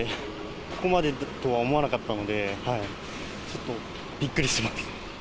ここまでとは思わなかったので、ちょっとびっくりしてます。